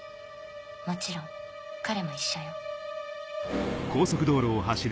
もちろん彼も一緒よ。